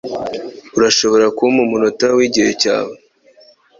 Urashobora kumpa umunota wigihe cyawe?